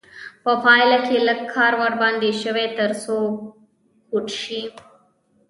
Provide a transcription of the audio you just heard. په پایله کې لږ کار ورباندې شوی تر څو کوټ شي.